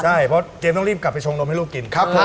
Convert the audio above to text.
ใช่เพราะเจมส์ต้องรีบกลับไปชงนมให้ลูกกิน